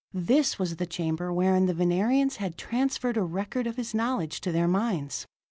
This was the chamber wherein the Venerians had transferred a record of his knowledge to their minds.